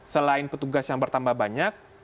selain petugas yang bertambah banyak